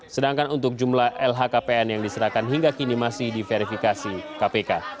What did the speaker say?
sedangkan untuk jumlah lhkpn yang diserahkan hingga kini masih diverifikasi kpk